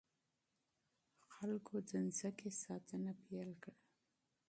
خلکو د ځمکې ساتنه پيل کړې ده.